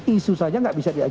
isu saja tidak bisa jadi fakta